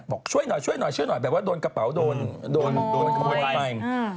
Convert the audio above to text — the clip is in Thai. บอกช่วยหน่อยแบบว่าโดนกระเป๋าโดนกระเป๋าไป